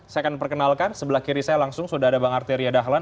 saya akan perkenalkan sebelah kiri saya langsung sudah ada bang arteria dahlan